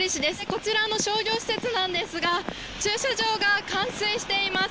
こちらの商業施設なんですが、駐車場が冠水しています。